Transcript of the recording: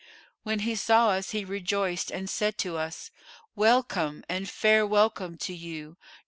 [FN#439] When he saw us he rejoiced and said to us, 'Well come, and fair welcome to you!